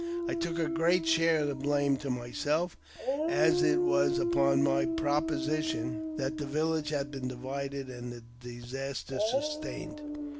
I took a great share of the blame to myself, as it was upon my proposition that the village had been divided and the disaster sustained.